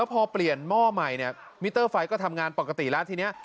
พอเปลี่ยนหม้อใหม่เนี่ยมิเตอร์ไฟก็ทำงานปกติแล้วทีนี้